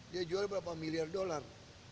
dia jual berapa miliar dolar